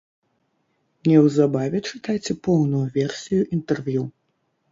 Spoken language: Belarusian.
Неўзабаве чытайце поўную версію інтэрв'ю.